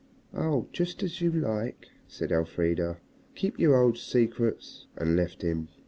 "Oh, just as you like," said Elfrida; "keep your old secrets," and left him.